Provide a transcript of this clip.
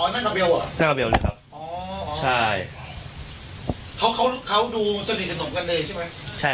อ๋อนั่งกับเบลหรอนั่งกับเบลนี่ครับอ๋ออ๋อใช่เขาเขาเขาดูสนิทสนมกันเลยใช่ไหม